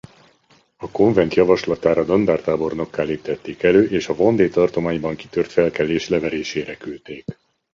A konvent javaslatára dandártábornokká léptették elő és a Vendée tartományban kitört felkelés leverésére küldték.